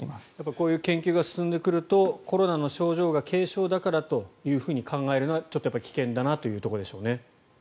こういう研究が進んでくるとコロナの症状が軽症だからと考えるのはちょっと危険だなというところでしょうね。